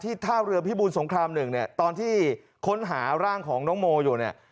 ที่ท่าเรือพิบูรสงคราม๑ตอนที่ค้นหาร่างของน้องโมอยู่